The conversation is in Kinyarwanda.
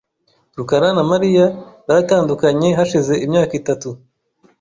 rukara na Mariya baratandukanye hashize imyaka itatu .